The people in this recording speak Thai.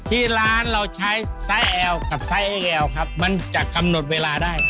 ที่ร้านเราใช้ไซส์แอลกับไซส์ไอ้แอลครับมันจะกำหนดเวลาได้